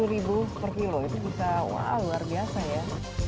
rp satu ratus lima puluh per kilo itu bisa wah luar biasa ya